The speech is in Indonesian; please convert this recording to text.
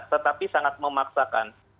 tetapi sangat memaksakan